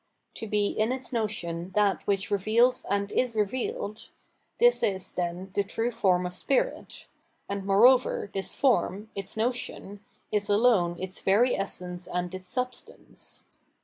To be in its notion that which reveals' and is revealed — this is, then, the true form of spirit , and moreover, this form, its notion, is alone its very essence and its substance.